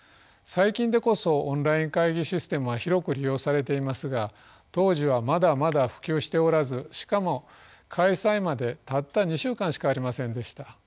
最近でこそオンライン会議システムは広く利用されていますが当時はまだまだ普及しておらずしかも開催までたった２週間しかありませんでした。